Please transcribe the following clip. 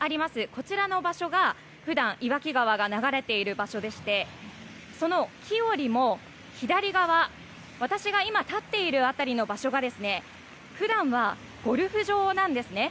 こちらの場所が普段岩木川が流れている場所でしてその木よりも左側、私が今立っている辺りの場所が普段はゴルフ場なんですね。